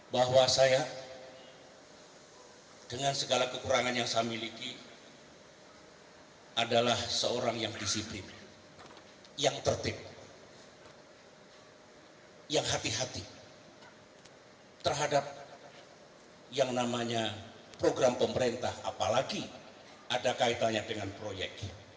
bahwa saya dengan segala kekurangan yang saya miliki adalah seorang yang disiplin yang tertib yang hati hati terhadap yang namanya program pemerintah apalagi ada kaitannya dengan proyek